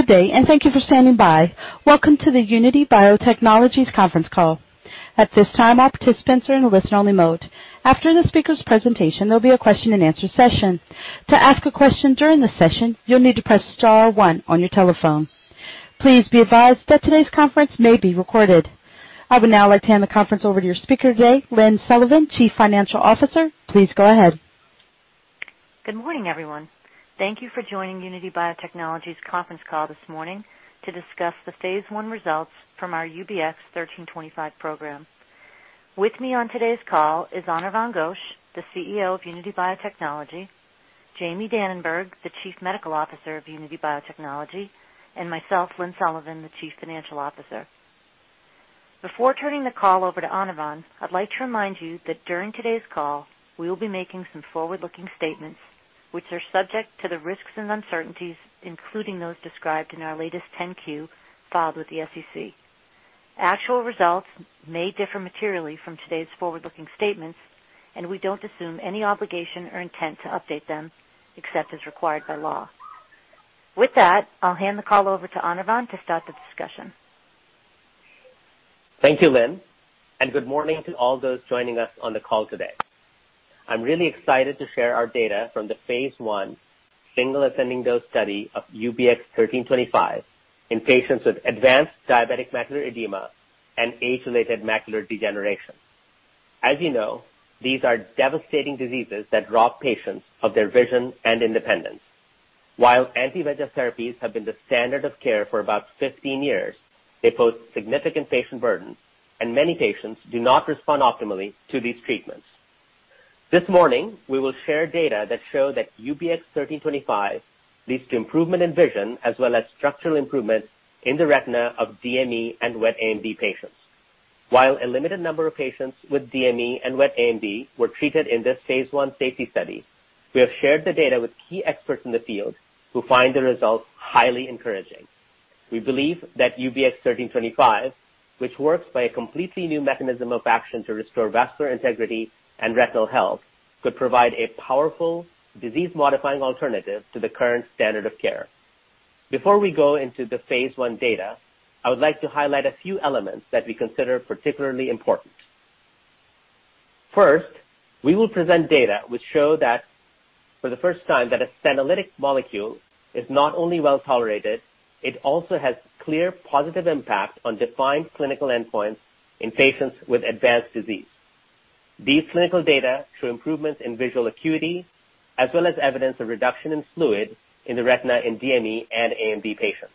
Good day, and thank you for standing by. Welcome to the Unity Biotechnology conference call. At this time, participants are in a listen-only mode. After the speaker's presentation, there will be a question-and-answer session. To ask a question during the session, you will need to press star one on your telephone. Please be advised that today's conference may be recorded. I will now hand the conference over to your speaker today, Lynne Sullivan, Chief Financial Officer. Please go ahead. Good morning, everyone. Thank you for joining Unity Biotechnology's conference call this morning to discuss the phase I results from our UBX1325 program. With me on today's call is Anirvan Ghosh, the CEO of Unity Biotechnology, Jamie Dananberg, the Chief Medical Officer of Unity Biotechnology, and myself, Lynne Sullivan, the Chief Financial Officer. Before turning the call over to Anirvan, I'd like to remind you that during today's call, we will be making some forward-looking statements, which are subject to the risks and uncertainties, including those described in our latest 10-Q filed with the SEC. Actual results may differ materially from today's forward-looking statements. We don't assume any obligation or intent to update them except as required by law. With that, I'll hand the call over to Anirvan to start the discussion. Thank you, Lynne. Good morning to all those joining us on the call today. I'm really excited to share our data from the phase I single-ascending dose study of UBX1325 in patients with advanced diabetic macular edema and age-related macular degeneration. As you know, these are devastating diseases that rob patients of their vision and independence. While anti-VEGF therapies have been the standard of care for about 15 years, they pose significant patient burden, and many patients do not respond optimally to these treatments. This morning, we will share data that show that UBX1325 leads to improvement in vision as well as structural improvements in the retina of DME and wet AMD patients. While a limited number of patients with DME and wet AMD were treated in this phase I safety study, we have shared the data with key experts in the field who find the results highly encouraging. We believe that UBX1325, which works by a completely new mechanism of action to restore vascular integrity and retinal health, could provide a powerful disease-modifying alternative to the current standard of care. Before we go into the phase I data, I would like to highlight a few elements that we consider particularly important. First, we will present data which show that for the first time that a senolytic molecule is not only well-tolerated, it also has clear positive impact on defined clinical endpoints in patients with advanced disease. These clinical data show improvements in visual acuity as well as evidence of reduction in fluid in the retina in DME and AMD patients.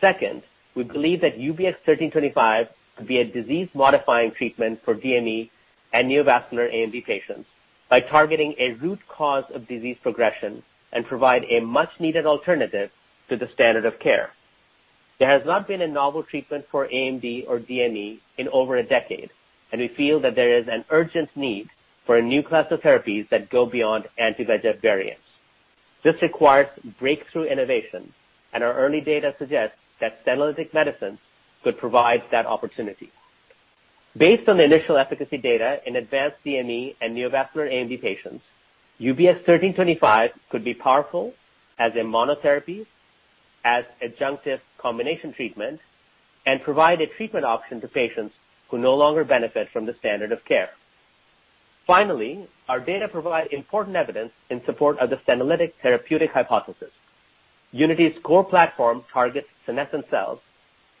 Second, we believe that UBX1325 could be a disease-modifying treatment for DME and neovascular AMD patients by targeting a root cause of disease progression and provide a much-needed alternative to the standard of care. There has not been a novel treatment for AMD or DME in over a decade, and we feel that there is an urgent need for a new class of therapies that go beyond anti-VEGF variants. This requires breakthrough innovation, and our early data suggest that senolytic medicines could provide that opportunity. Based on the initial efficacy data in advanced DME and neovascular AMD patients, UBX1325 could be powerful as a monotherapy, as adjunctive combination treatment, and provide a treatment option to patients who no longer benefit from the standard of care. Finally, our data provide important evidence in support of the senolytic therapeutic hypothesis. Unity's core platform targets senescent cells,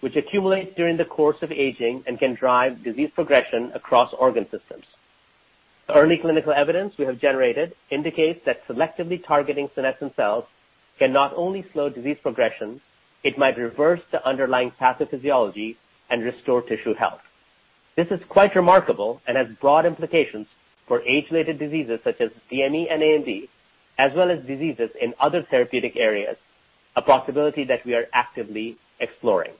which accumulate during the course of aging and can drive disease progression across organ systems. Early clinical evidence we have generated indicates that selectively targeting senescent cells can not only slow disease progression, it might reverse the underlying pathophysiology and restore tissue health. This is quite remarkable and has broad implications for age-related diseases such as DME and AMD, as well as diseases in other therapeutic areas, a possibility that we are actively exploring.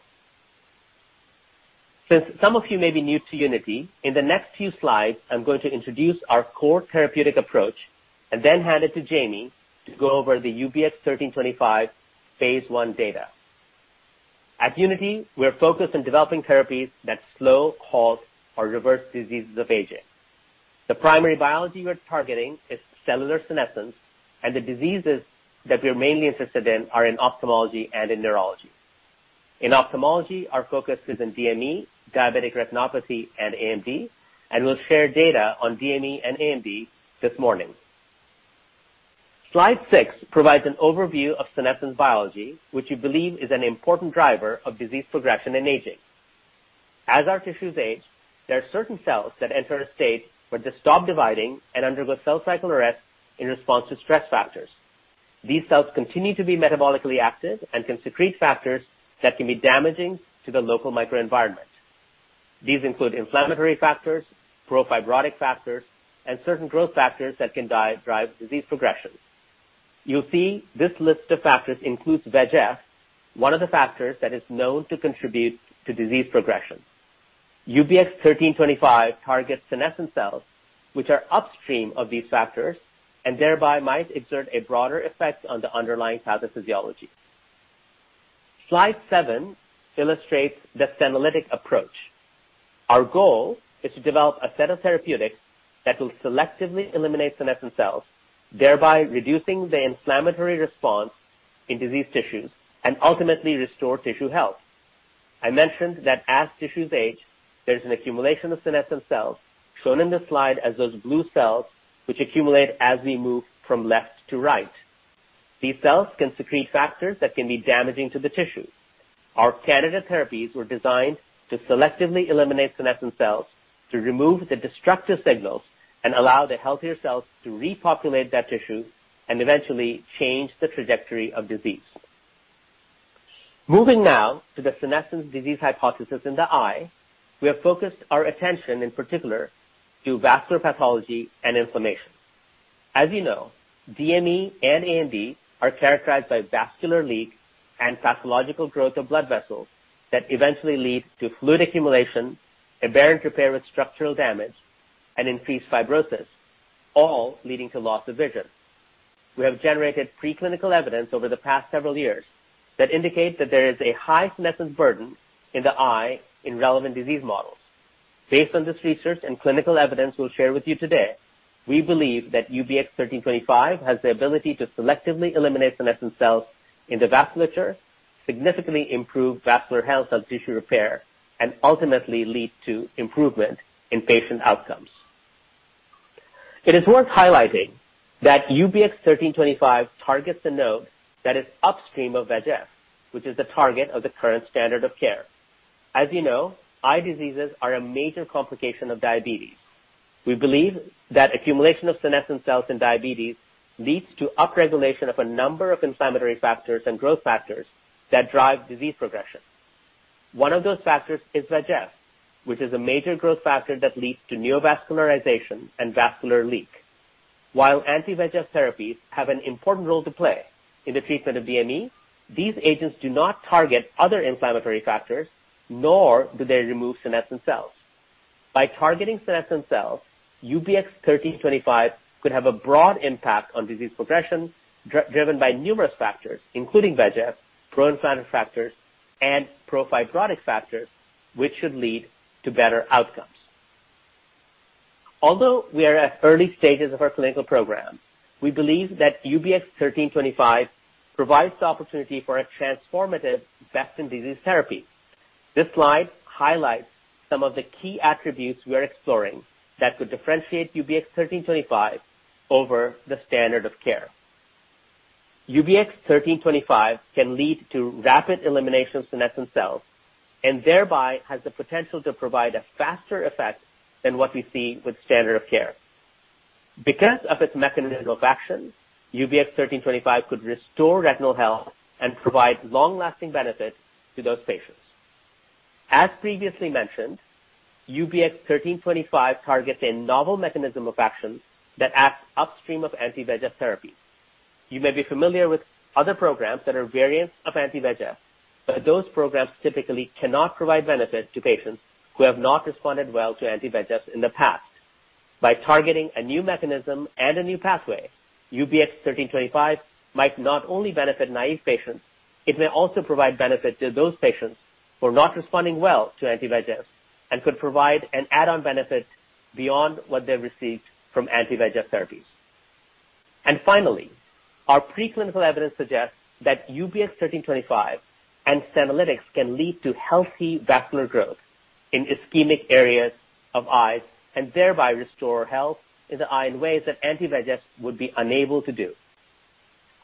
Since some of you may be new to Unity, in the next few slides, I'm going to introduce our core therapeutic approach and then hand it to Jamie to go over the UBX1325 phase I data. At Unity, we are focused on developing therapies that slow, halt, or reverse diseases of aging. The primary biology we're targeting is cellular senescence, and the diseases that we're mainly interested in are in ophthalmology and in neurology. In ophthalmology, our focus is in DME, diabetic retinopathy, and AMD, and we'll share data on DME and AMD this morning. Slide six provides an overview of senescence biology, which we believe is an important driver of disease progression and aging. As our tissues age, there are certain cells that enter a state where they stop dividing and undergo cell cycle arrest in response to stress factors. These cells continue to be metabolically active and can secrete factors that can be damaging to the local microenvironment. These include inflammatory factors, pro-fibrotic factors, and certain growth factors that can drive disease progression. You'll see this list of factors includes VEGF, one of the factors that is known to contribute to disease progression. UBX1325 targets senescent cells, which are upstream of these factors and thereby might exert a broader effect on the underlying pathophysiology. Slide seven illustrates the senolytic approach. Our goal is to develop a set of therapeutics that will selectively eliminate senescent cells, thereby reducing the inflammatory response in diseased tissues and ultimately restore tissue health. I mentioned that as tissues age, there's an accumulation of senescent cells, shown in the slide as those blue cells, which accumulate as we move from left to right. These cells can secrete factors that can be damaging to the tissue. Our candidate therapies were designed to selectively eliminate senescent cells to remove the destructive signals and allow the healthier cells to repopulate that tissue and eventually change the trajectory of disease. Moving now to the senescence disease hypothesis in the eye, we have focused our attention in particular to vascular pathology and inflammation. As you know, DME and AMD are characterized by vascular leak and pathological growth of blood vessels that eventually lead to fluid accumulation, aberrant repair with structural damage, and increased fibrosis, all leading to loss of vision. We have generated preclinical evidence over the past several years that indicate that there is a high senescence burden in the eye in relevant disease models. Based on this research and clinical evidence we'll share with you today, we believe that UBX1325 has the ability to selectively eliminate senescent cells in the vasculature, significantly improve vascular health and tissue repair, and ultimately lead to improvement in patient outcomes. It is worth highlighting that UBX1325 targets the node that is upstream of VEGF, which is the target of the current standard of care. As you know, eye diseases are a major complication of diabetes. We believe that accumulation of senescent cells in diabetes leads to upregulation of a number of inflammatory factors and growth factors that drive disease progression. One of those factors is VEGF, which is a major growth factor that leads to neovascularization and vascular leak. While anti-VEGF therapies have an important role to play in the treatment of DME, these agents do not target other inflammatory factors, nor do they remove senescent cells. By targeting senescent cells, UBX1325 could have a broad impact on disease progression, driven by numerous factors, including VEGF, pro-inflammatory factors, and pro-fibrotic factors, which should lead to better outcomes. Although we are at early stages of our clinical program, we believe that UBX1325 provides the opportunity for a transformative best-in-disease therapy. This slide highlights some of the key attributes we are exploring that could differentiate UBX1325 over the standard of care. UBX1325 can lead to rapid elimination of senescent cells and thereby has the potential to provide a faster effect than what we see with standard of care. Because of its mechanism of action, UBX1325 could restore retinal health and provide long-lasting benefits to those patients. As previously mentioned, UBX1325 targets a novel mechanism of action that acts upstream of anti-VEGF therapies. You may be familiar with other programs that are variants of anti-VEGF, but those programs typically cannot provide benefit to patients who have not responded well to anti-VEGF in the past. By targeting a new mechanism and a new pathway, UBX1325 might not only benefit naive patients, it may also provide benefit to those patients who are not responding well to anti-VEGF and could provide an add-on benefit beyond what they've received from anti-VEGF therapies. Finally, our preclinical evidence suggests that UBX1325 and senolytics can lead to healthy vascular growth in ischemic areas of eyes and thereby restore health in the eye in ways that anti-VEGF would be unable to do.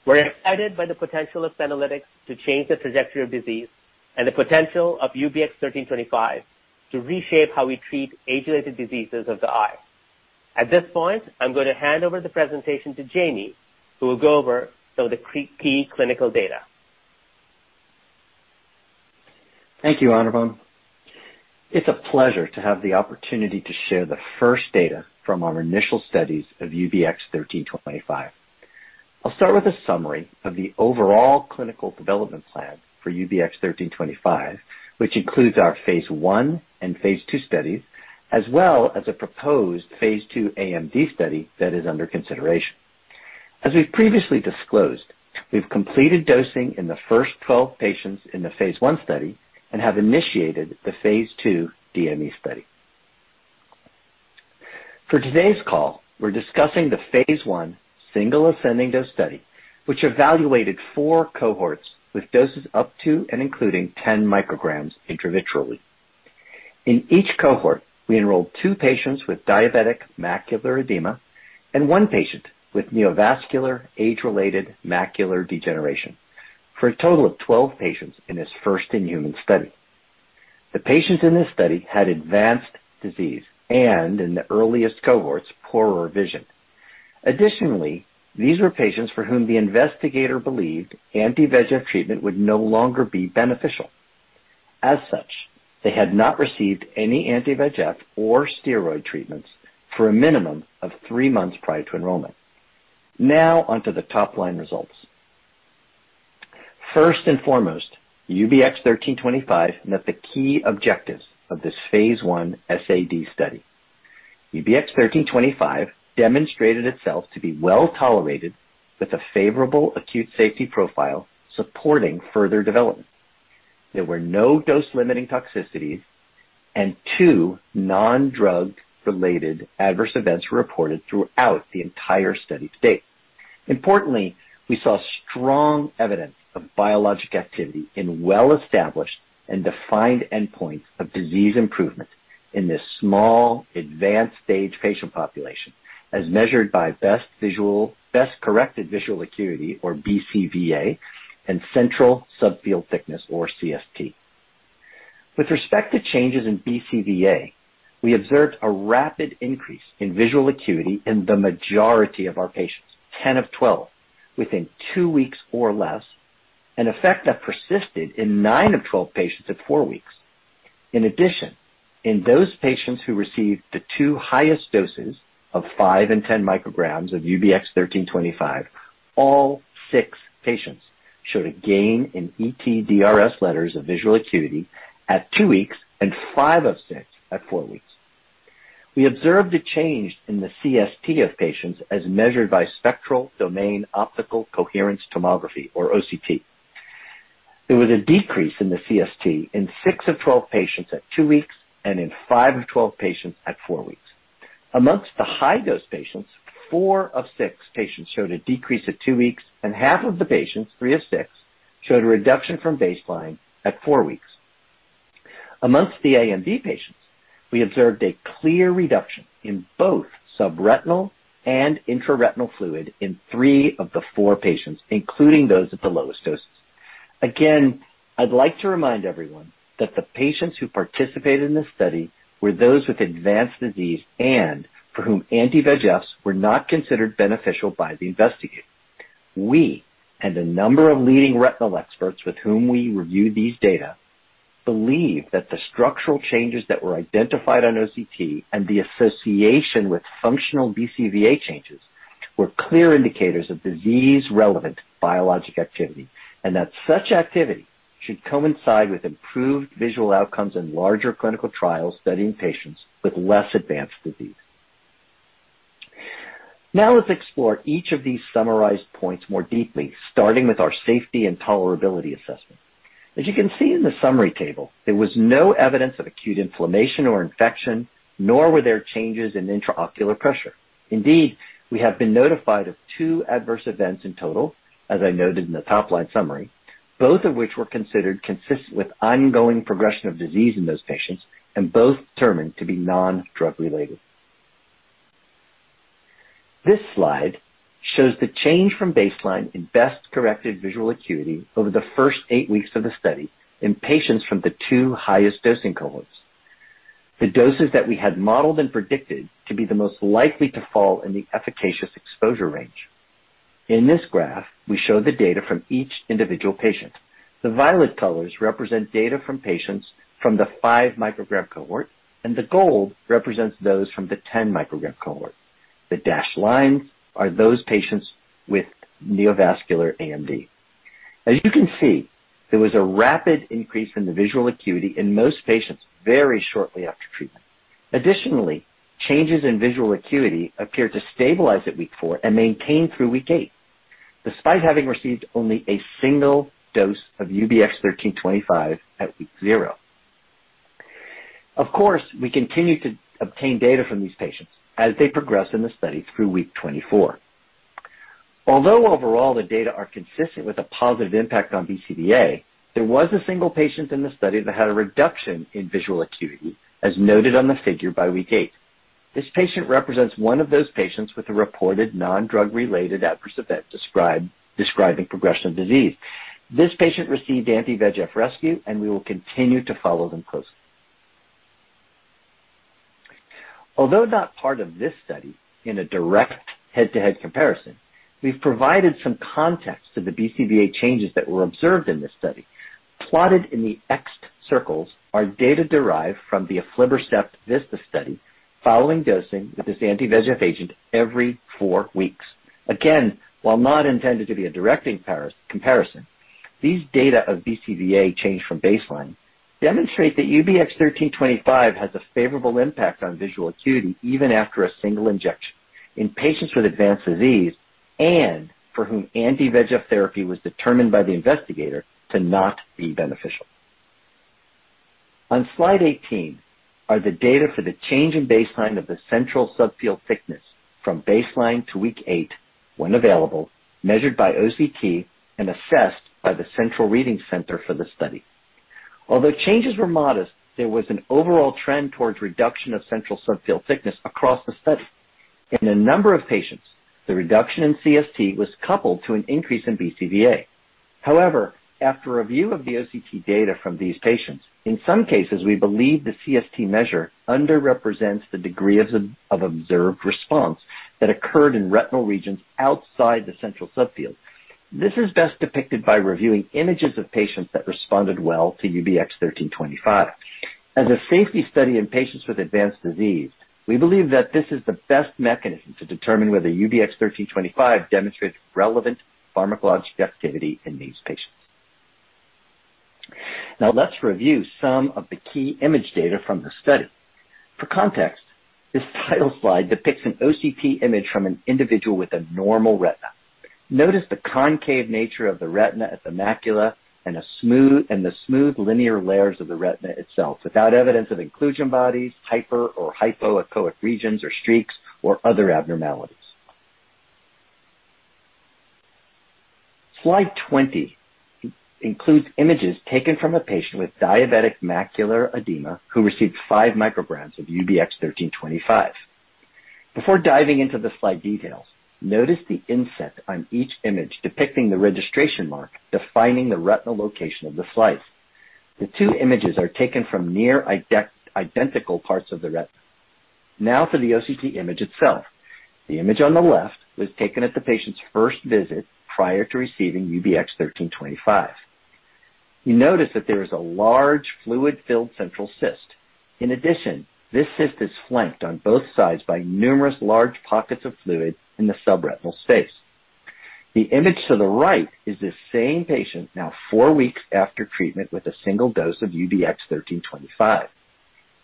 We're excited by the potential of senolytics to change the trajectory of disease and the potential of UBX1325 to reshape how we treat age-related diseases of the eye. At this point, I'm going to hand over the presentation to Jamie, who will go over some of the key clinical data. Thank you, Anirvan. It's a pleasure to have the opportunity to share the first data from our initial studies of UBX1325. I'll start with a summary of the overall clinical development plan for UBX1325, which includes our phase I and phase II studies, as well as a proposed phase II AMD study that is under consideration. As we've previously disclosed, we've completed dosing in the first 12 patients in the phase I study and have initiated the phase II DME study. For today's call, we're discussing the phase I single ascending dose study, which evaluated four cohorts with doses up to and including 10 mcg intravitreally. In each cohort, we enrolled two patients with diabetic macular edema and one patient with neovascular age-related macular degeneration for a total of 12 patients in this first-in-human study. The patients in this study had advanced disease and, in the earliest cohorts, poorer vision. Additionally, these were patients for whom the investigator believed anti-VEGF treatment would no longer be beneficial. As such, they had not received any anti-VEGF or steroid treatments for a minimum of three months prior to enrollment. Now onto the top-line results. First and foremost, UBX1325 met the key objectives of this phase I SAD study. UBX1325 demonstrated itself to be well-tolerated with a favorable acute safety profile supporting further development. There were no dose-limiting toxicities, and two non-drug-related adverse events were reported throughout the entire study phase. Importantly, we saw strong evidence of biologic activity in well-established and defined endpoints of disease improvement in this small advanced stage patient population, as measured by best corrected visual acuity, or BCVA, and central subfield thickness, or CST. With respect to changes in BCVA, we observed a rapid increase in visual acuity in the majority of our patients, 10 of 12, within two weeks or less, an effect that persisted in nine of 12 patients at four weeks. In those patients who received the two highest doses of 5 mcg and 10 mcg of UBX1325, all six patients showed a gain in ETDRS letters of visual acuity at two weeks and five of six at four weeks. We observed a change in the CST of patients as measured by spectral domain optical coherence tomography, or OCT. There was a decrease in the CST in six of 12 patients at two weeks and in five of 12 patients at four weeks. Amongst the high-dose patients, four of six patients showed a decrease at two weeks, and half of the patients, three of six, showed a reduction from baseline at four weeks. Amongst the AMD patients, we observed a clear reduction in both subretinal and intraretinal fluid in three of the four patients, including those at the lowest doses. I'd like to remind everyone that the patients who participated in this study were those with advanced disease and for whom anti-VEGFs were not considered beneficial by the investigator. We and a number of leading retinal experts with whom we review these data believe that the structural changes that were identified on OCT and the association with functional BCVA changes were clear indicators of disease-relevant biologic activity, and that such activity should coincide with improved visual outcomes in larger clinical trials studying patients with less advanced disease. Now let's explore each of these summarized points more deeply, starting with our safety and tolerability assessment. As you can see in the summary table, there was no evidence of acute inflammation or infection, nor were there changes in intraocular pressure. Indeed, we have been notified of two adverse events in total, as I noted in the top-line summary, both of which were considered consistent with ongoing progression of disease in those patients and both determined to be non-drug related. This slide shows the change from baseline in best-corrected visual acuity over the first eight weeks of the study in patients from the two highest dosing cohorts. The doses that we had modeled and predicted to be the most likely to fall in the efficacious exposure range. In this graph, we show the data from each individual patient. The violet colors represent data from patients from the 5 mcg cohort, and the gold represents those from the 10 mcg cohort. The dashed lines are those patients with neovascular AMD. As you can see, there was a rapid increase in the visual acuity in most patients very shortly after treatment. Additionally, changes in visual acuity appeared to stabilize at week four and maintain through week eight, despite having received only a single dose of UBX1325 at week zero. Of course, we continue to obtain data from these patients as they progress in the study through week 24. Although overall the data are consistent with a positive impact on BCVA, there was a single patient in the study that had a reduction in visual acuity, as noted on the figure by week eight. This patient represents one of those patients with a reported non-drug-related adverse event describing progression of disease. This patient received anti-VEGF rescue, and we will continue to follow them closely. Although not part of this study in a direct head-to-head comparison, we've provided some context to the BCVA changes that were observed in this study. Plotted in the X circles are data derived from the aflibercept VISTA study following dosing with this anti-VEGF agent every four weeks. Again, while not intended to be a direct comparison, these data of BCVA change from baseline demonstrate that UBX1325 has a favorable impact on visual acuity even after a single injection in patients with advanced disease and for whom anti-VEGF therapy was determined by the investigator to not be beneficial. On slide 18 are the data for the change in baseline of the central subfield thickness from baseline to week eight when available, measured by OCT and assessed by the central reading center for the study. Although changes were modest, there was an overall trend towards reduction of central subfield thickness across the study. In a number of patients, the reduction in CST was coupled to an increase in BCVA. However, after review of the OCT data from these patients, in some cases, we believe the CST measure underrepresents the degree of observed response that occurred in retinal regions outside the central subfield. This is best depicted by reviewing images of patients that responded well to UBX1325. As a safety study in patients with advanced disease, we believe that this is the best mechanism to determine whether UBX1325 demonstrates relevant pharmacologic activity in these patients. Now let's review some of the key image data from the study. For context, this title slide depicts an OCT image from an individual with a normal retina. Notice the concave nature of the retina at the macula, and the smooth linear layers of the retina itself without evidence of inclusion bodies, hyper or hypoechoic regions or streaks, or other abnormalities. Slide 20 includes images taken from a patient with diabetic macular edema who received 5 mcg of UBX1325. Before diving into the slide details, notice the inset on each image depicting the registration mark defining the retinal location of the slice. The two images are taken from near identical parts of the retina. To the OCT image itself. The image on the left was taken at the patient's first visit prior to receiving UBX1325. You notice that there is a large fluid-filled central cyst. This cyst is flanked on both sides by numerous large pockets of fluid in the subretinal space. The image to the right is the same patient now four weeks after treatment with a single dose of UBX1325.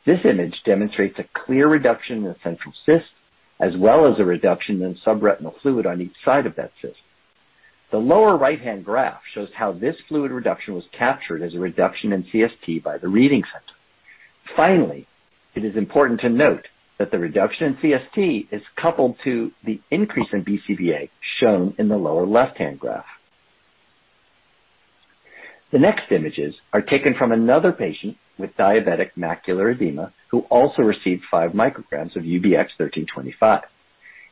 This image demonstrates a clear reduction in the central cyst, as well as a reduction in subretinal fluid on each side of that cyst. The lower right-hand graph shows how this fluid reduction was captured as a reduction in CST by the reading center. Finally, it is important to note that the reduction in CST is coupled to the increase in BCVA shown in the lower left-hand graph. The next images are taken from another patient with diabetic macular edema, who also received 5 mcg of UBX1325.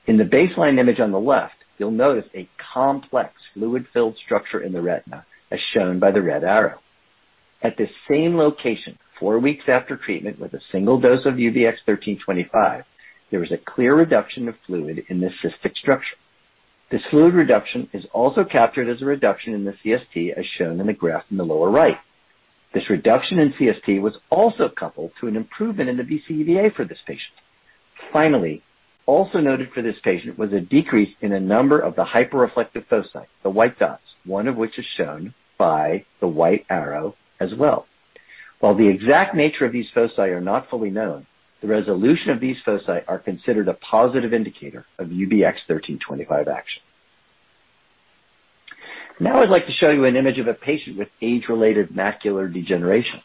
In the baseline image on the left, you'll notice a complex fluid-filled structure in the retina, as shown by the red arrow. At this same location, four weeks after treatment with a single dose of UBX1325, there was a clear reduction of fluid in this cystic structure. This fluid reduction is also captured as a reduction in the CST as shown in the graph in the lower right. This reduction in CST was also coupled to an improvement in the BCVA for this patient. Finally, also noted for this patient was a decrease in a number of the hyperreflective foci, the white dots, one of which is shown by the white arrow as well. While the exact nature of these foci are not fully known, the resolution of these foci are considered a positive indicator of UBX1325 action. Now I'd like to show you an image of a patient with age-related macular degeneration.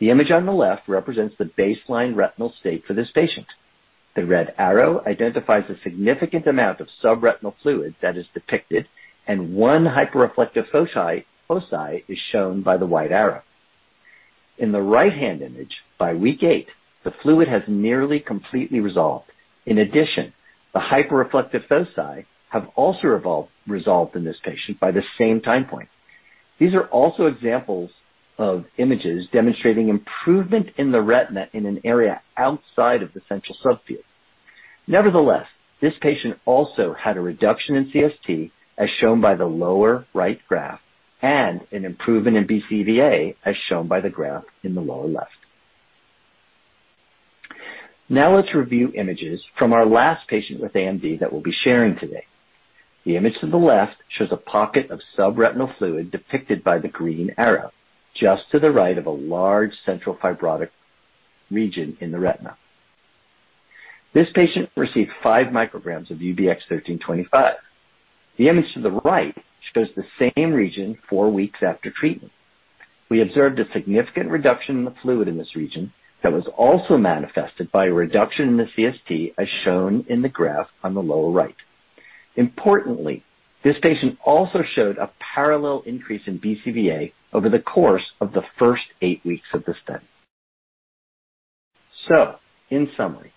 The image on the left represents the baseline retinal state for this patient. The red arrow identifies a significant amount of subretinal fluid that is depicted, and one hyperreflective foci is shown by the white arrow. In the right-hand image, by week eight, the fluid has nearly completely resolved. In addition, the hyperreflective foci have also resolved in this patient by the same time point. These are also examples of images demonstrating improvement in the retina in an area outside of the central subfield. Nevertheless, this patient also had a reduction in CST, as shown by the lower right graph, and an improvement in BCVA, as shown by the graph in the lower left. Now let's review images from our last patient with AMD that we'll be sharing today. The image to the left shows a pocket of subretinal fluid depicted by the green arrow, just to the right of a large central fibrotic region in the retina. This patient received 5 mcg of UBX1325. The image to the right shows the same region four weeks after treatment. We observed a significant reduction in the fluid in this region that was also manifested by a reduction in the CST as shown in the graph on the lower right. Importantly, this patient also showed a parallel increase in BCVA over the course of the first eight weeks of this study. In summary,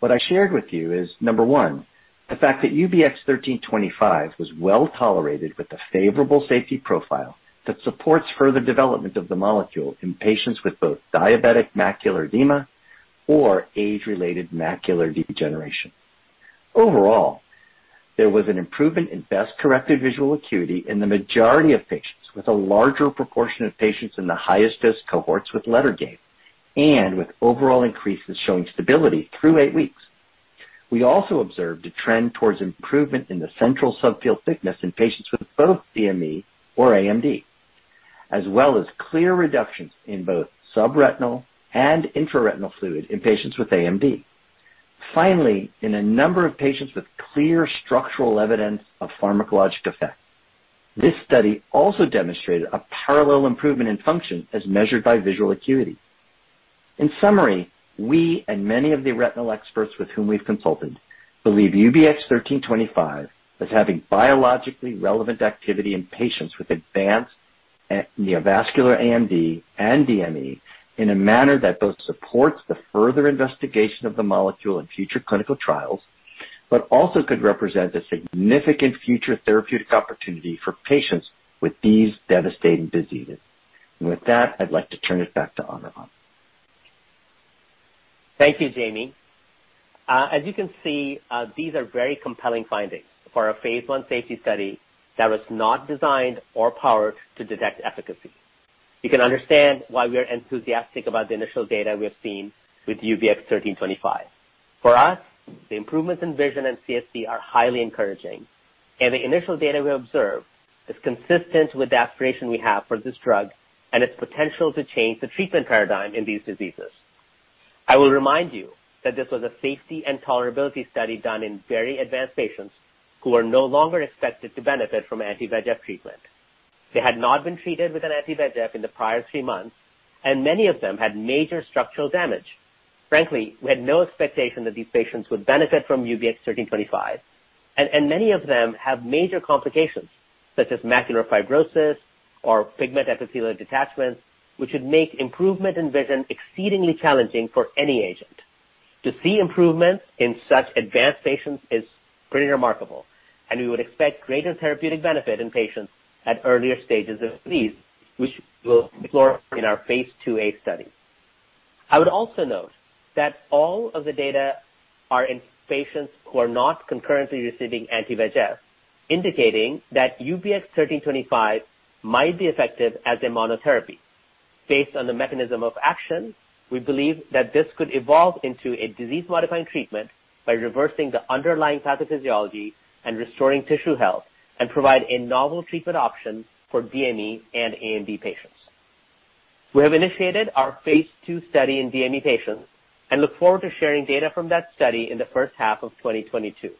what I shared with you is, number one, the fact that UBX1325 was well-tolerated with a favorable safety profile that supports further development of the molecule in patients with both diabetic macular edema or age-related macular degeneration. Overall, there was an improvement in best-corrected visual acuity in the majority of patients, with a larger proportion of patients in the highest dose cohorts with letter gain, and with overall increases showing stability through eight weeks. We also observed a trend towards improvement in the central subfield thickness in patients with both DME or AMD, as well as clear reductions in both subretinal and intraretinal fluid in patients with AMD. Finally, in a number of patients with clear structural evidence of pharmacologic effect, this study also demonstrated a parallel improvement in function as measured by visual acuity. In summary, we and many of the retinal experts with whom we've consulted believe UBX1325 as having biologically relevant activity in patients with advanced neovascular AMD and DME in a manner that both supports the further investigation of the molecule in future clinical trials, but also could represent a significant future therapeutic opportunity for patients with these devastating diseases. With that, I'd like to turn it back to Anirvan Ghosh. Thank you, Jamie. As you can see, these are very compelling findings for a phase I safety study that was not designed or powered to detect efficacy. You can understand why we are enthusiastic about the initial data we have seen with UBX1325. For us, the improvements in vision and CST are highly encouraging, and the initial data we observe is consistent with the aspiration we have for this drug and its potential to change the treatment paradigm in these diseases. I will remind you that this was a safety and tolerability study done in very advanced patients who are no longer expected to benefit from anti-VEGF treatment. They had not been treated with an anti-VEGF in the prior three months, and many of them had major structural damage. Frankly, we had no expectation that these patients would benefit from UBX1325, and many of them have major complications such as macular fibrosis or pigment epithelial detachments, which would make improvement in vision exceedingly challenging for any agent. To see improvement in such advanced patients is pretty remarkable, and we would expect greater therapeutic benefit in patients at earlier stages of disease, which we'll explore in our phase II-A study. I would also note that all of the data are in patients who are not concurrently receiving anti-VEGF, indicating that UBX1325 might be effective as a monotherapy. Based on the mechanism of action, we believe that this could evolve into a disease-modifying treatment by reversing the underlying pathophysiology and restoring tissue health and provide a novel treatment option for DME and AMD patients. We have initiated our phase II study in DME patients and look forward to sharing data from that study in the first half of 2022.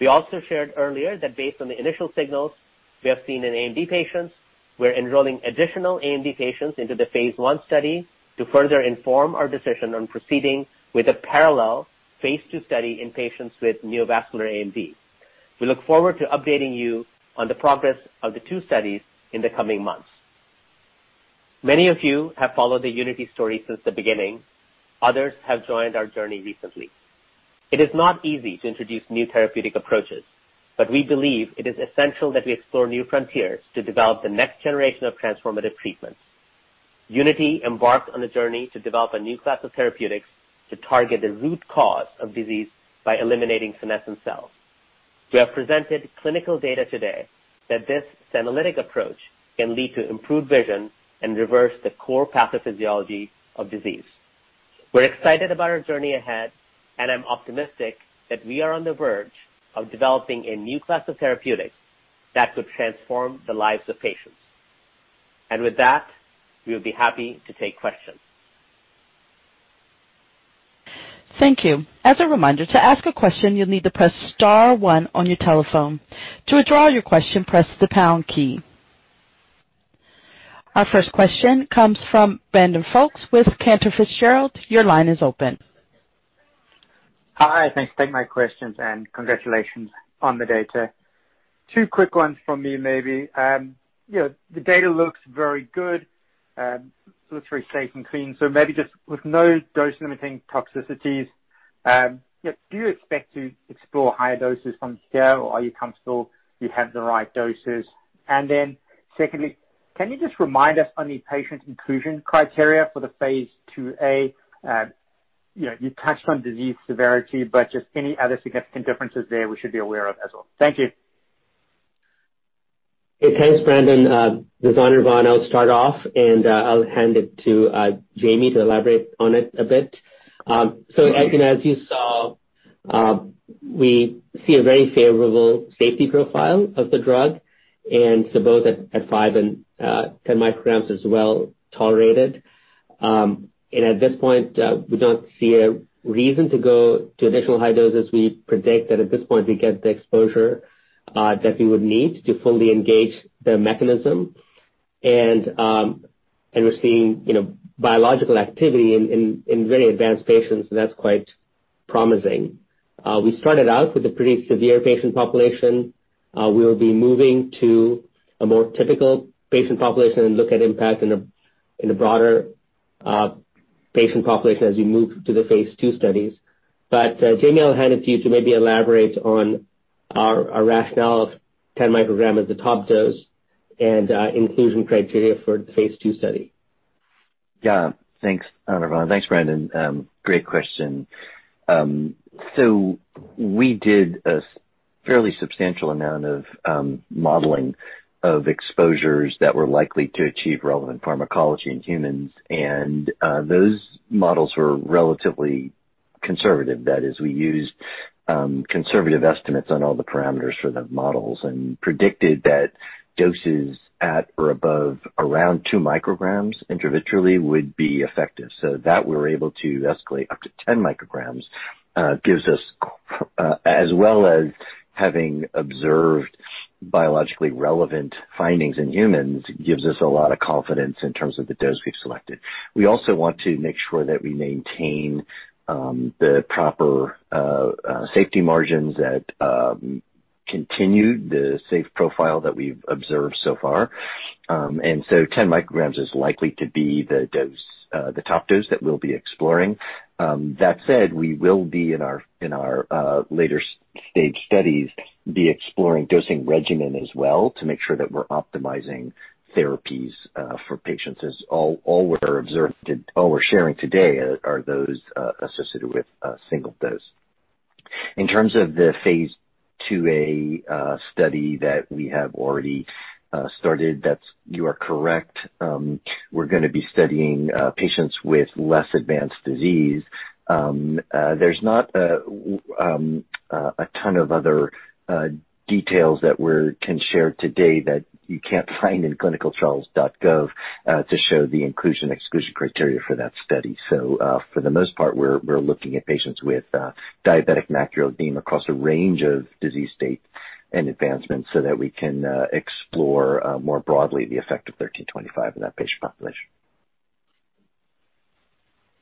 We also shared earlier that based on the initial signals we have seen in AMD patients, we're enrolling additional AMD patients into the phase I study to further inform our decision on proceeding with a parallel phase II study in patients with neovascular AMD. We look forward to updating you on the progress of the two studies in the coming months. Many of you have followed the Unity story since the beginning. Others have joined our journey recently. It is not easy to introduce new therapeutic approaches, but we believe it is essential that we explore new frontiers to develop the next generation of transformative treatments. Unity embarked on a journey to develop a new class of therapeutics to target the root cause of disease by eliminating senescent cells. We have presented clinical data today that this senolytic approach can lead to improved vision and reverse the core pathophysiology of disease. We're excited about our journey ahead, and I'm optimistic that we are on the verge of developing a new class of therapeutics that could transform the lives of patients. With that, we'll be happy to take questions. Thank you. As a reminder, to ask a question, you'll need to press star one on your telephone. To withdraw your question, press the pound key. Our first question comes from Brandon Folkes with Cantor Fitzgerald. Your line is open. Hi, thanks for taking my questions, and congratulations on the data. Two quick ones from me maybe. The data looks very good. Looks very clean. Maybe just with no dose-limiting toxicities, do you expect to explore higher doses from here, or are you comfortable you have the right doses? Secondly, can you just remind us on the patient inclusion criteria for the phase II-A? You touched on disease severity, but just any other significant differences there we should be aware of as well. Thank you. Thanks, Brandon, this is Anirvan, I'll start off, I'll hand it to Jamie to elaborate on it a bit. As you saw, we see a very favorable safety profile of the drug, both at 5 mcg and 10 mcg is well tolerated. At this point, we don't see a reason to go to additional high doses. We predict that at this point, we get the exposure that we would need to fully engage the mechanism. We're seeing biological activity in very advanced patients, that's quite promising. We started out with a pretty severe patient population. We'll be moving to a more typical patient population and look at impact in a broader patient population as we move to the phase II studies. Jamie, I'll hand it to you to maybe elaborate on our rationale of 10 mcg as the top dose and inclusion criteria for the phase II study. Yeah. Thanks, Anirvan. Thanks, Brandon. Great question. We did a fairly substantial amount of modeling of exposures that were likely to achieve relevant pharmacology in humans, and those models were relatively conservative. That is, we used conservative estimates on all the parameters for the models and predicted that doses at or above around 2 mcg intravitreally would be effective. That we're able to escalate up to 10 mcg, as well as having observed biologically relevant findings in humans, gives us a lot of confidence in terms of the dose we've selected. We also want to make sure that we maintain the proper safety margins that continue the safe profile that we've observed so far. 10 mcg is likely to be the top dose that we'll be exploring. That said, we will be, in our later-stage studies, exploring dosing regimen as well to make sure that we're optimizing therapies for patients. All we're sharing today are those associated with a single dose. In terms of the phase II-A study that we have already started, you are correct. We're going to be studying patients with less advanced disease. There's not a ton of other details that we can share today that you can't find in clinicaltrials.gov to show the inclusion/exclusion criteria for that study. For the most part, we're looking at patients with diabetic macular edema across a range of disease states and advancements so that we can explore more broadly the effect of 1325 in that patient population.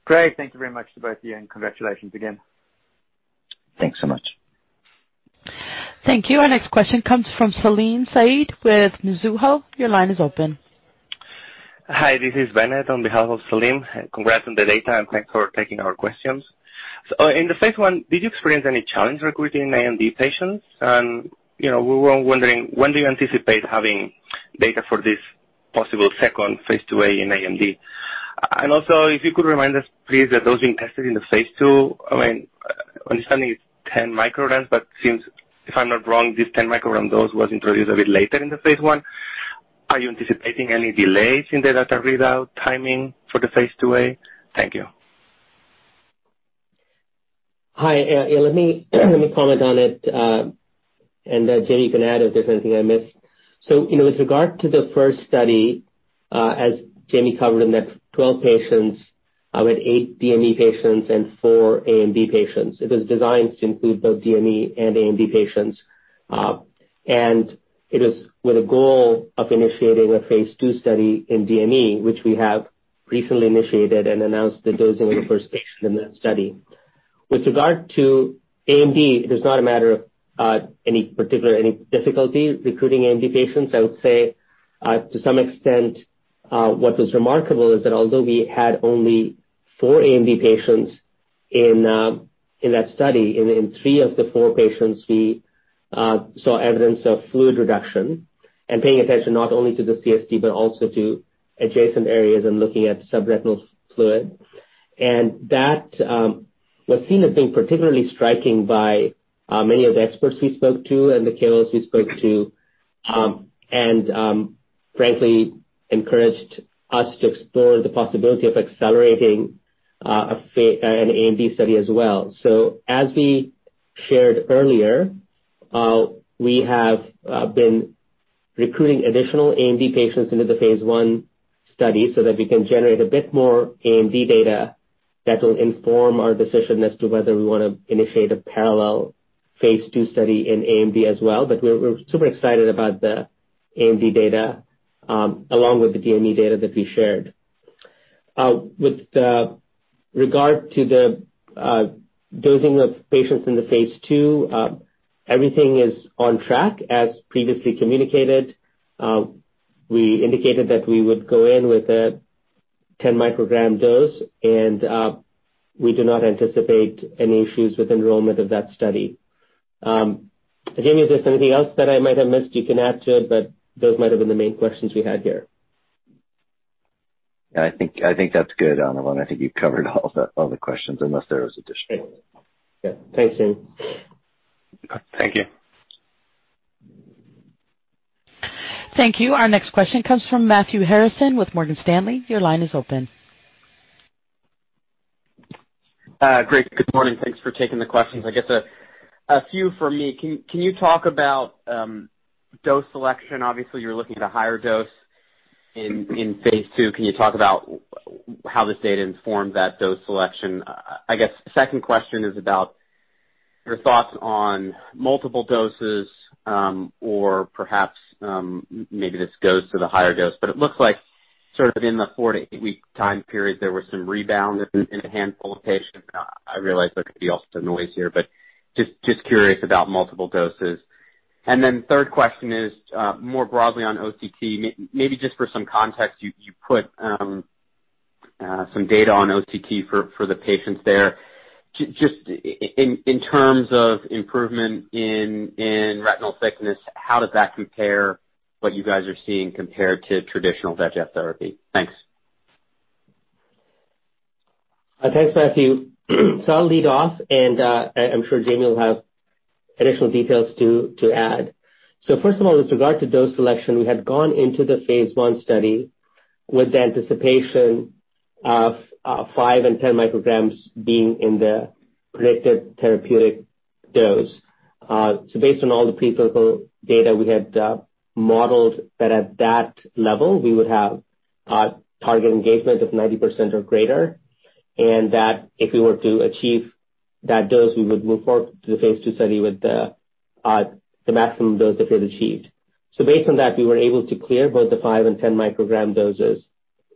Great. Thank you very much to both of you, and congratulations again. Thanks so much. Thank you. Our next question comes from Salim Syed with Mizuho. Your line is open. Hi, this is Bennett on behalf of Salim. Congrats on the data, thanks for taking our questions. In the phase I, did you experience any challenge recruiting AMD patients? We were wondering, when do you anticipate having data for this possible second phase II-A in AMD? Also, if you could remind us, please, that those being tested in the phase II, I mean, understanding it's 10 mcg, since, if I'm not wrong, this 10 mcg dose was introduced a bit later in the phase I. Are you anticipating any delays in the data readout timing for the phase II-A? Thank you. Hi, let me comment on it, and Jamie can add if there's anything I miss. With regard to the first study, as Jamie covered in that 12 patients with eight DME patients and four AMD patients. It was designed to include both DME and AMD patients. It is with a goal of initiating a phase II study in DME, which we have recently initiated and announced the dosing of the first patient in that study. With regard to AMD, it is not a matter of any particular difficulties recruiting AMD patients. I would say to some extent, what was remarkable is that although we had only four AMD patients in that study, in three of the four patients, we saw evidence of fluid reduction and paying attention not only to the CST but also to adjacent areas and looking at subretinal fluid. That was seen as being particularly striking by many of the experts we spoke to and the KOLs we spoke to, and frankly encouraged us to explore the possibility of accelerating an AMD study as well. As we shared earlier, we have been recruiting additional AMD patients into the phase I study so that we can generate a bit more AMD data that will inform our decision as to whether we want to initiate a parallel phase II study in AMD as well. We're super excited about the AMD data, along with the DME data that we shared. With regard to the dosing of patients in the phase II, everything is on track as previously communicated. We indicated that we would go in with a 10 mcg dose, and we do not anticipate any issues with enrollment of that study. Jamie, is there anything else that I might have missed you can add to? Those might have been the main questions we had here. I think that's good, Anirvan. I think you covered all the questions unless there was additional. Okay. Thanks, team. Thank you. Thank you. Our next question comes from Matthew Harrison with Morgan Stanley. Your line is open. Great. Good morning. Thanks for taking the questions. I guess a few from me. Can you talk about dose selection? Obviously, you're looking at a higher dose in phase II. Can you talk about how this data informed that dose selection? I guess second question is about your thoughts on multiple doses, or perhaps, maybe this goes to the higher dose, but it looks like sort of in the four to eight-week time period, there was some rebound in a handful of patients. I realize there could be also noise here, but just curious about multiple doses. Then third question is more broadly on OCT. Maybe just for some context, you put some data on OCT for the patients there. Just in terms of improvement in retinal thickness, how does that compare what you guys are seeing compared to traditional VEGF therapy? Thanks. Thanks, Matthew. I'll lead off, and I'm sure Jamie will have additional details to add. First of all, with regard to dose selection, we had gone into the phase I study with the anticipation of 5 mcg and 10 mcg being in the predicted therapeutic dose. Based on all the preclinical data we had modeled that at that level, we would have target engagement of 90% or greater, and that if we were to achieve that dose, we would move forward to the phase II study with the maximum dose if it achieved. Based on that, we were able to clear both the 5 mcg and 10 mcg doses.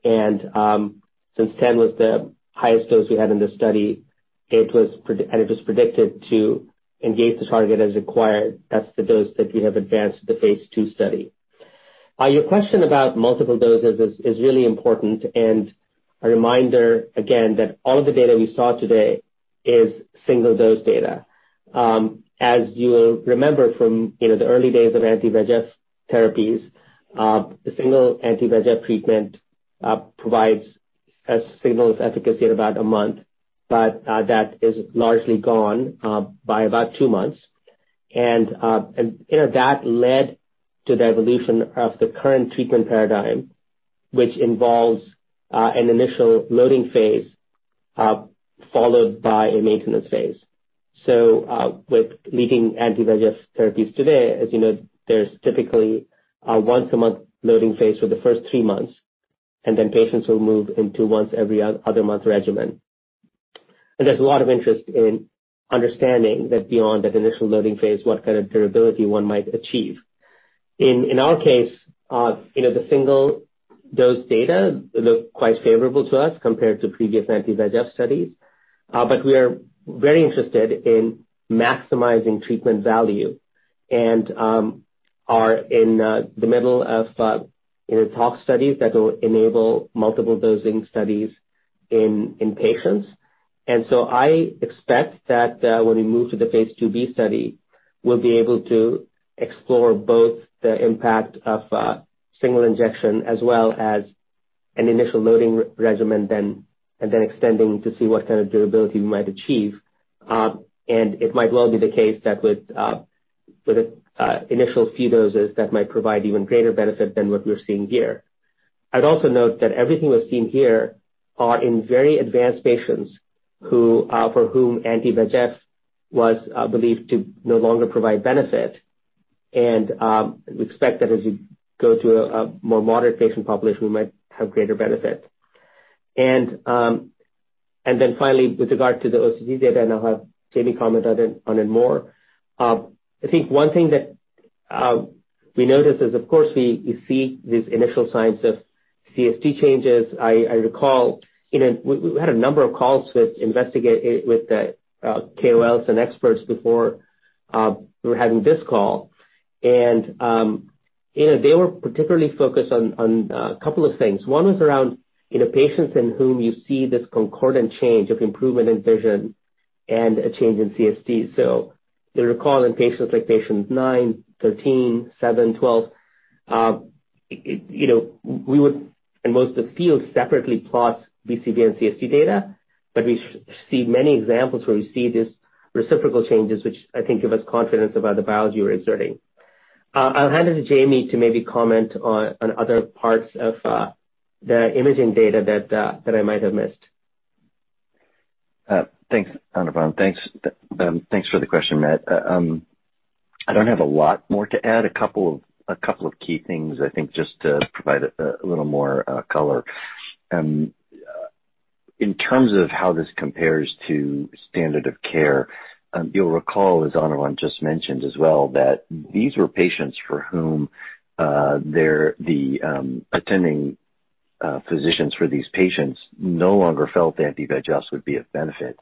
Since 10 mcg was the highest dose we had in the study, and it was predicted to engage the target as required, that's the dose that we have advanced to the phase II study. Your question about multiple doses is really important. A reminder again that all of the data we saw today is single-dose data. As you'll remember from the early days of anti-VEGF therapies, the single anti-VEGF treatment provides single efficacy at about one month. That is largely gone by about two months. That led to the evolution of the current treatment paradigm, which involves an initial loading phase, followed by a maintenance phase. With leading anti-VEGF therapies today, as you know, there's typically a once-a-month loading phase for the first three months. Patients will move into once every other month regimen. There's a lot of interest in understanding that beyond the initial loading phase, what kind of durability one might achieve. In our case, the single-dose data look quite favorable to us compared to previous anti-VEGF studies. We are very interested in maximizing treatment value and are in the middle of tox studies that will enable multiple dosing studies in patients. I expect that when we move to the phase II-B study, we'll be able to explore both the impact of single injection as well as an initial loading regimen, and then extending to see what kind of durability we might achieve. It might well be the case that with initial few doses, that might provide even greater benefit than what we're seeing here. I'd also note that everything we're seeing here are in very advanced patients for whom anti-VEGF was believed to no longer provide benefit, and we expect that as you go to a more moderate patient population, we might have greater benefit. Finally, with regard to the OCT data, I'll have Jamie comment on it more. I think one thing that we noticed is, of course, we see these initial signs of CST changes. I recall, we had a number of calls with the KOLs and experts before we were having this call. They were particularly focused on a couple of things. One was around patients in whom you see this concordant change of improvement in vision and a change in CST. You recall in patients like patients nine, 13, seven, 12, we would in most of the field separately plot BCVA and CST data. We see many examples where we see these reciprocal changes, which I think give us confidence about the biology we're observing. I'll hand it to Jamie to maybe comment on other parts of the imaging data that I might have missed. Thanks, Anirvan. Thanks for the question, Matt. I don't have a lot more to add. A couple of key things, I think, just to provide a little more color. In terms of how this compares to standard of care, you'll recall, as Anirvan just mentioned as well, that these were patients for whom the attending physicians for these patients no longer felt anti-VEGF would be of benefit.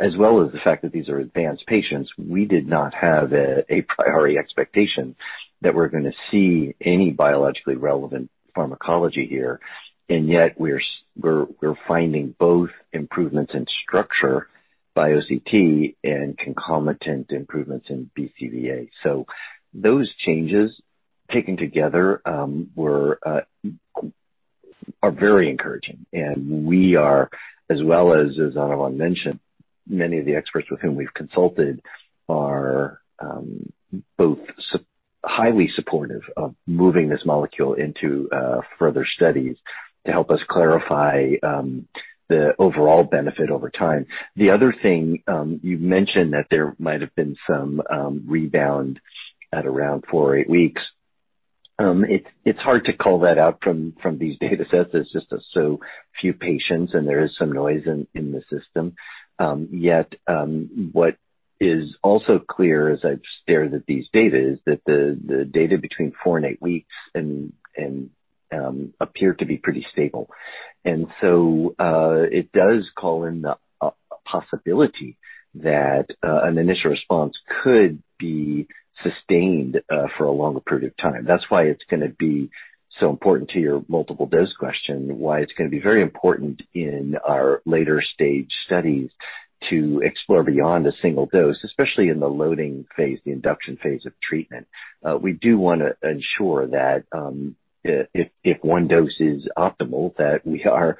As well as the fact that these are advanced patients, we did not have a priori expectation that we're going to see any biologically relevant pharmacology here. Yet we're finding both improvements in structure by OCT and concomitant improvements in BCVA. Those changes taken together are very encouraging. We are, as well as Anirvan mentioned, many of the experts with whom we've consulted are both highly supportive of moving this molecule into further studies to help us clarify the overall benefit over time. The other thing, you mentioned that there might have been some rebound at around four, eight weeks. It's hard to call that out from these data sets. There's just so few patients, and there is some noise in the system. Yet, what is also clear as I've stared at these data is that the data between four and eight weeks appear to be pretty stable. It does call in the possibility that an initial response could be sustained for a longer period of time. That's why it's going to be so important to your multiple dose question, why it's going to be very important in our later stage studies to explore beyond a single dose, especially in the loading phase, the induction phase of treatment. We do want to ensure that if 1 dose is optimal, that we have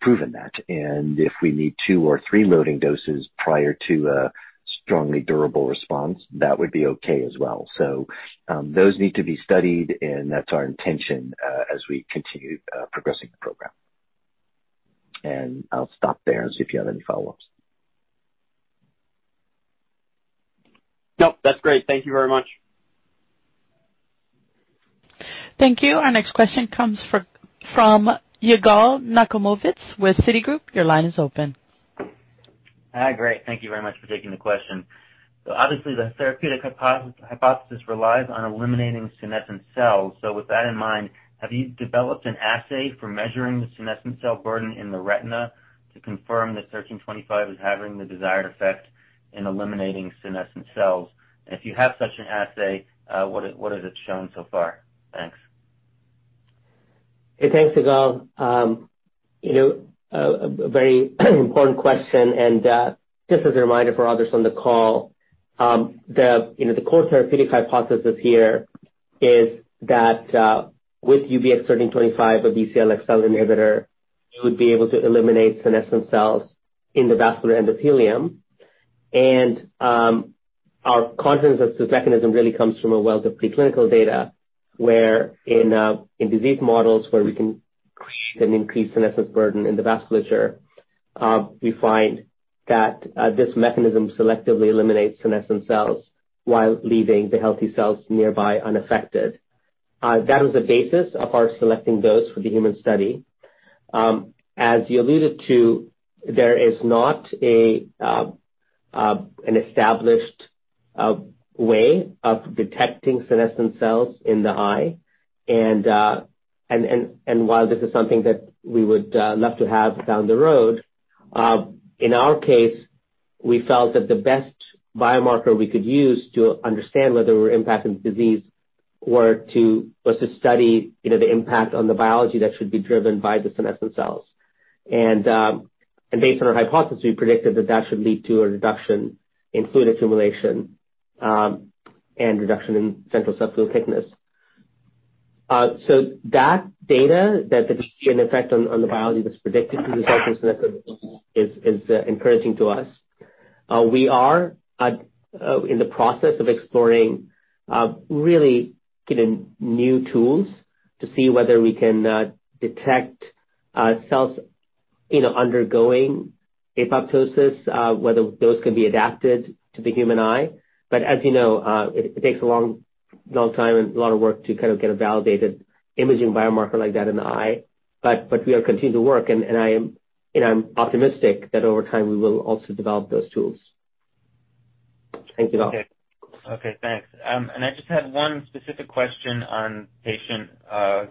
proven that. If we need two or three loading doses prior to a strongly durable response, that would be okay as well. Those need to be studied, and that's our intention as we continue progressing the program. I'll stop there and see if you have any follow-ups. Nope, that's great. Thank you very much. Thank you. Our next question comes from Yigal Nochomovitz with Citigroup. Your line is open. Great. Thank you very much for taking the question. Obviously, the therapeutic hypothesis relies on eliminating senescent cells. With that in mind, have you developed an assay for measuring the senescent cell burden in the retina to confirm that 1325 is having the desired effect in eliminating senescent cells? If you have such an assay, what has it shown so far? Thanks. Hey, thanks, Yigal. A very important question. Just as a reminder for others on the call, the core therapeutic hypothesis here is that with UBX1325, a BCL-xL inhibitor, you would be able to eliminate senescent cells in the vascular endothelium. Our confidence of this mechanism really comes from a wealth of preclinical data, where in disease models where we can create an increased senescent burden in the vasculature, we find that this mechanism selectively eliminates senescent cells while leaving the healthy cells nearby unaffected. That was the basis of our selecting those for the human study. As you alluded to, there is not an established way of detecting senescent cells in the eye. While this is something that we would love to have down the road, in our case, we felt that the best biomarker we could use to understand whether we're impacting the disease was to study the impact on the biology that should be driven by the senescent cells. Based on our hypothesis, we predicted that that should lead to a reduction in fluid accumulation and reduction in central subfield thickness. That data that we see an effect on the biology that's predicted through the senescent is encouraging to us. We are in the process of exploring really getting new tools to see whether we can detect cells undergoing apoptosis, whether those can be adapted to the human eye. As you know, it takes a long time and a lot of work to get a validated imaging biomarker like that in the eye. We are continuing to work, and I'm optimistic that over time, we will also develop those tools. Thank you, Yigal. Okay. Thanks. I just had one specific question on patient 0009,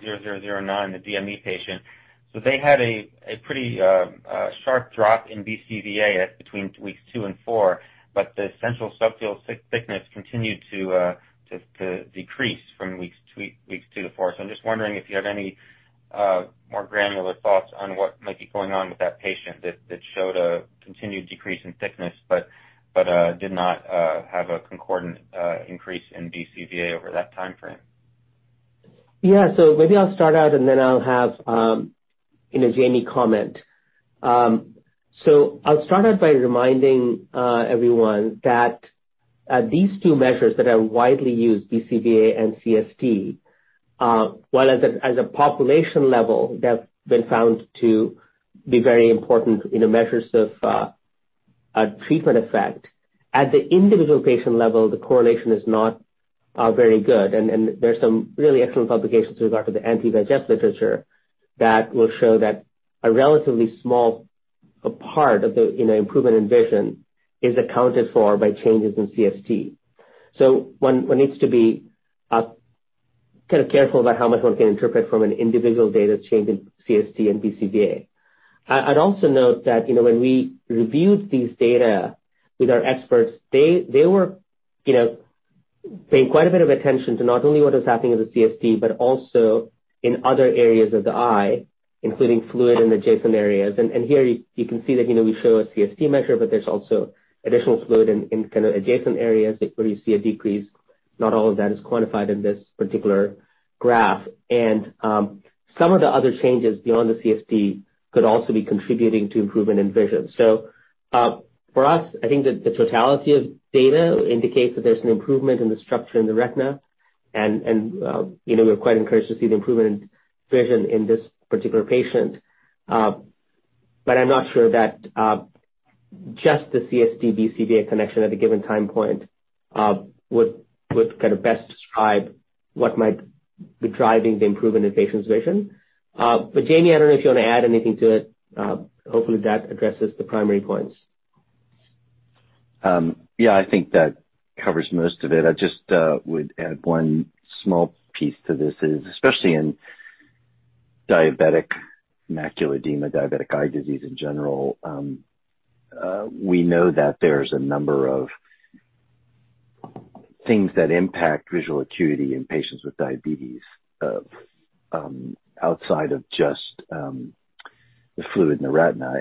the DME patient. They had a pretty sharp drop in BCVA between weeks two and four, but the central subfield thickness continued to decrease from weeks two to four. I'm just wondering if you have any more granular thoughts on what might be going on with that patient that showed a continued decrease in thickness but did not have a concordant increase in BCVA over that timeframe. Yeah. Maybe I'll start out, and then I'll have Jamie comment. I'll start out by reminding everyone that these two measures that are widely used, BCVA and CST, while as a population level, they've been found to be very important in the measures of a treatment effect. At the individual patient level, the correlation is not very good. There's some really excellent publications with regard to the anti-VEGF literature that will show that a relatively small part of the improvement in vision is accounted for by changes in CST. One needs to be careful about how much one can interpret from an individual data change in CST and BCVA. I'd also note that when we reviewed these data with our experts, they were paying quite a bit of attention to not only what is happening in the CST, but also in other areas of the eye, including fluid in adjacent areas. Here you can see that we show a CST measure, but there's also additional fluid in adjacent areas where you see a decrease. Not all of that is quantified in this particular graph. Some of the other changes beyond the CST could also be contributing to improvement in vision. For us, I think that the totality of data indicates that there's an improvement in the structure in the retina. We're quite encouraged to see the improvement in vision in this particular patient. I'm not sure that just the CST BCVA connection at a given time point would best describe what might be driving the improvement in the patient's vision. Jamie, I don't know if you want to add anything to it. Hopefully, that addresses the primary points. I think that covers most of it. I just would add one small piece to this is, especially in diabetic macular edema, diabetic eye disease in general, we know that there's a number of things that impact visual acuity in patients with diabetes outside of just the fluid in the retina.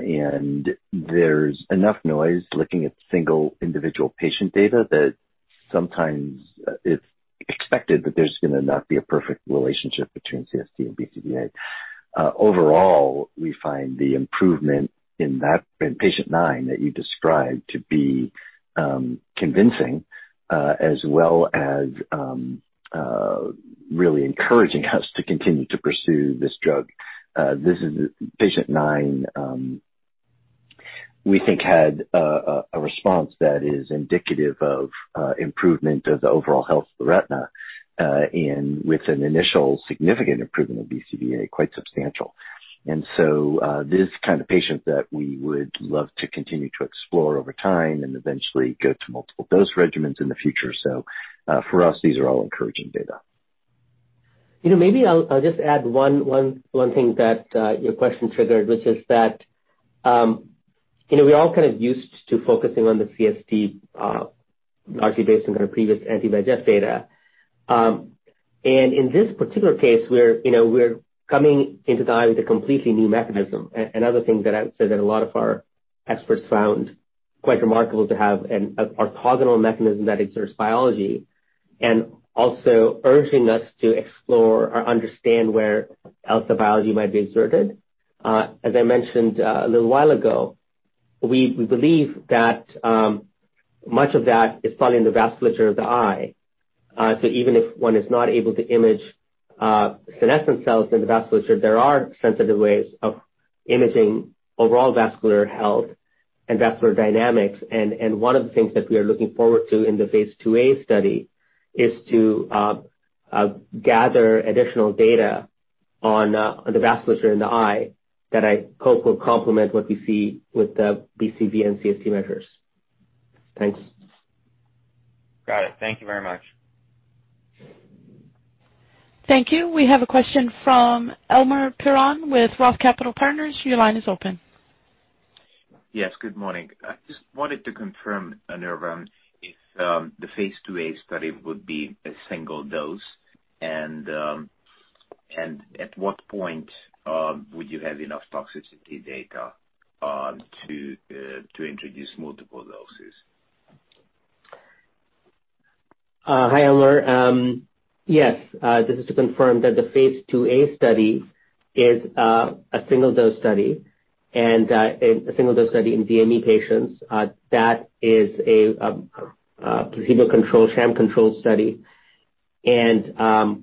There's enough noise looking at single individual patient data that sometimes it's expected that there's going to not be a perfect relationship between CST and BCVA. Overall, we find the improvement in patient nine that you described to be convincing as well as really encouraging us to continue to pursue this drug. Patient nine, we think had a response that is indicative of improvement of the overall health of the retina and with an initial significant improvement of BCVA, quite substantial. This is the kind of patient that we would love to continue to explore over time and eventually go to multiple dose regimens in the future. For us, these are all encouraging data. Maybe I'll just add one thing that your question triggered, which is that. We're all kind of used to focusing on the CST largely based on our previous anti-VEGF data. In this particular case, we're coming into the eye with a completely new mechanism. Another thing that I would say that a lot of our experts found quite remarkable to have an orthogonal mechanism that exerts biology and also urging us to explore or understand where else the biology might be exerted. As I mentioned a little while ago, we believe that much of that is probably in the vasculature of the eye. Even if one is not able to image senescent cells in the vasculature, there are sensitive ways of imaging overall vascular health and vascular dynamics. One of the things that we are looking forward to in the phase II-A study is to gather additional data on the vasculature in the eye that I hope will complement what we see with the BCVA and CST measures. Thanks. Got it. Thank you very much. Thank you. We have a question from Elemer Piros with Roth Capital Partners. Your line is open. Yes, good morning. I just wanted to confirm, Anirvan Ghosh, if the phase II-A study would be a single dose and at what point would you have enough toxicity data to introduce multiple doses? Hi, Elemer. Yes, this is to confirm that the phase II-A study is a single-dose study in DME patients. That is a placebo-controlled, sham-controlled study. It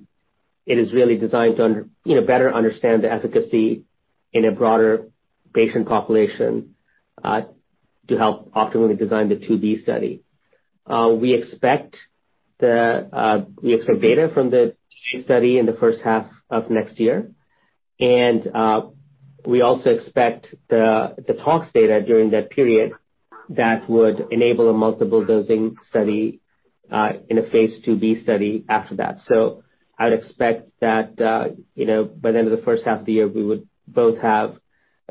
is really designed to better understand the efficacy in a broader patient population to help optimally design the phase II-B study. We expect some data from the study in the first half of next year. We also expect the tox data during that period that would enable a multiple dosing study in a phase II-B study after that. I would expect that by the end of the first half of the year, we would both have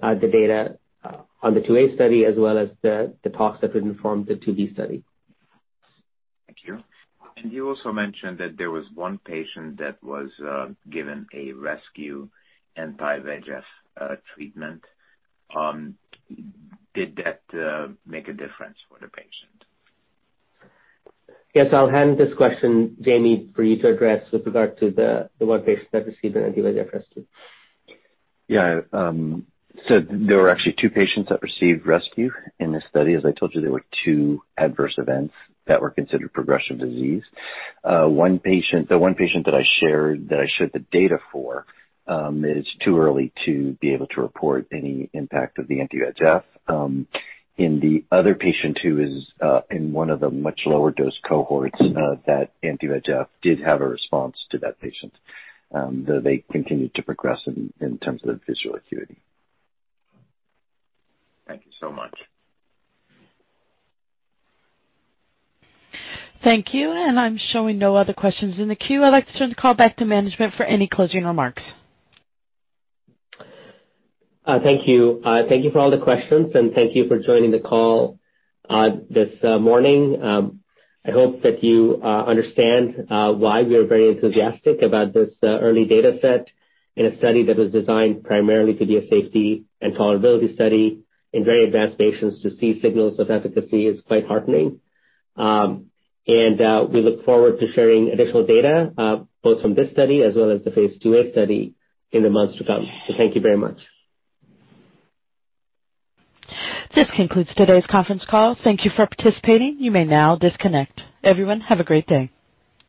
the data on the phase II-A study as well as the tox that would inform the phase II-B study. Thank you. You also mentioned that there was one patient that was given a rescue anti-VEGF treatment. Did that make a difference for the patient? Yes. I'll hand this question, Jamie, for you to address with regard to the one patient that received an anti-VEGF rescue. There were actually two patients that received rescue in this study. As I told you, there were two adverse events that were considered progression of disease. The one patient that I showed the data for, it's too early to be able to report any impact of the anti-VEGF. In the other patient, who is in one of the much lower dose cohorts, that anti-VEGF did have a response to that patient, though they continued to progress in terms of visual acuity. Thank you so much. Thank you. I'm showing no other questions in the queue. I'd like to turn the call back to management for any closing remarks. Thank you. Thank you for all the questions, and thank you for joining the call this morning. I hope that you understand why we are very enthusiastic about this early data set in a study that was designed primarily to be a safety and tolerability study in very advanced patients. To see signals of efficacy is quite heartening. We look forward to sharing additional data both from this study as well as the phase II-A study in the months to come. Thank you very much. This concludes today's conference call. Thank you for participating. You may now disconnect. Everyone, have a great day.